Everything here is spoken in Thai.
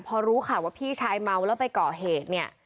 พอรู้ข่าวว่าพี่ชายเมาแล้วไปก่อเหตุเนี่ย